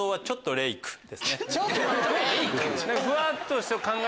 「ちょっとレイク」？